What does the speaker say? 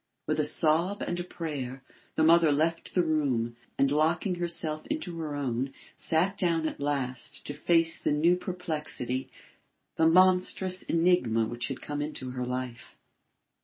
With a sob and a prayer, the mother left the room, and locking herself into her own, sat down at last to face the new perplexity, the monstrous enigma which had come into her life.